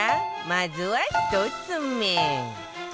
まずは１つ目